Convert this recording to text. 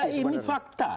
udah ini fakta